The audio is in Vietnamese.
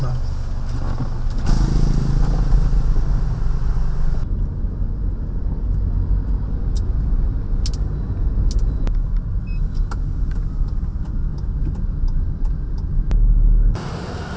mời anh đi